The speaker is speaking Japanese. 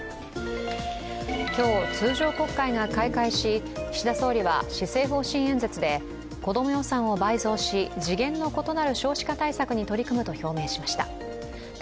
今日、通常国会が開会し岸田総理は施政方針演説で子ども予算を倍増し次元の異なる少子化対策に取り組むと表明しました。